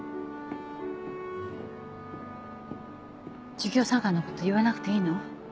授業参観のこと言わなくていいの？